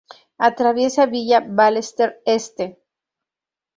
Atraviesa Villa Ballester Este.